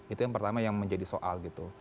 itu yang pertama yang menjadi soal gitu